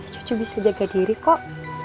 cucu bisa jaga diri kok